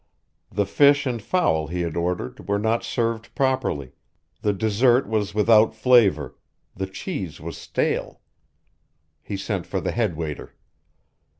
The fish and fowl he had ordered were not served properly, the dessert was without flavor, the cheese was stale. He sent for the head waiter.